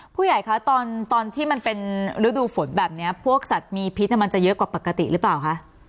ผู้ใหญ่คะตอนที่มันเป็นฤดูฝนแบบนี้พวกสัตว์มีพิษมันจะเยอะกว่าปกติหรือเปล่าคะ